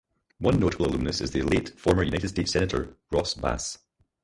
One notable alumnus is the late former United States Senator Ross Bass.